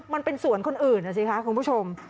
มันเป็นสวนคนอื่นคุณผู้ชม